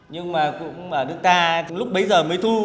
nhưng mà cũng ở nước ta lúc bấy giờ mới thu